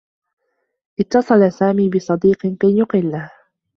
اتّصل سامي بصديق كي يقلّه.